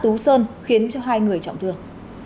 trong gia đình ở xã tú sơn khiến cho hai người trọng thương